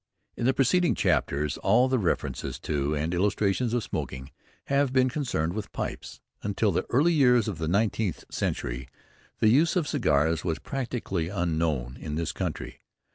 In the preceding chapters all the references to and illustrations of smoking have been concerned with pipes. Until the early years of the nineteenth century the use of cigars was practically unknown in this country.